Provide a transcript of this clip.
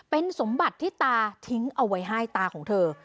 เป็นสมบัติที่ตาทิ้งเอาไว้ให้ตาของเธอ